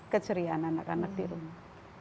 keceriaan anak anak di rumah